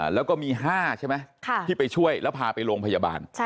แล้วก็มี๕ใช่ไหมที่ไปช่วยแล้วพาไปโรงพยาบาล